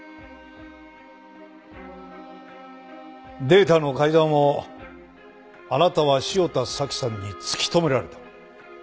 データの改ざんをあなたは汐田早紀さんに突き止められた。